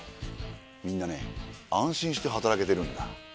みんなね安心して働けてるんだ。